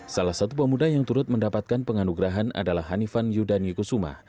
salah satu pemuda yang turut mendapatkan penganugerahan adalah hanifan yudani kusuma